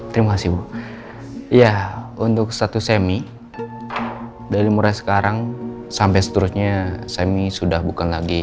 terima kasih bu ya untuk status semi dari mulai sekarang sampai seterusnya semi sudah bukan lagi